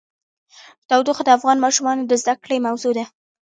تودوخه د افغان ماشومانو د زده کړې موضوع ده.